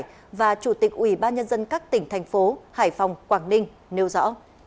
ủy ban nhân dân các tỉnh thành phố hải phòng quảng ninh nêu rõ